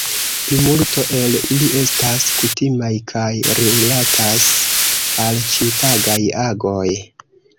Plimulto el ili estas kutimaj kaj rilatas al ĉiutagaj agoj.